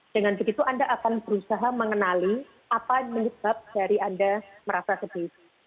dengan begitu anda akan berusaha mengenali apa yang menyebabkan dari anda merasa sedih